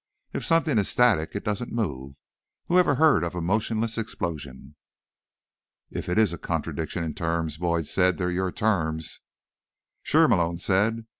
If something is static, it doesn't move— whoever heard of a motionless explosion?" "If it is a contradiction in terms," Boyd said, "they're your terms." "Sure," Malone said.